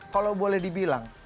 kalau boleh dibilang